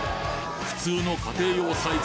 普通の家庭用サイズでは